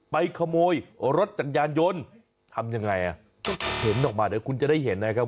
ไปขโมยรถจักรยานยนต์ทำยังไงอ่ะก็เห็นออกมาเดี๋ยวคุณจะได้เห็นนะครับ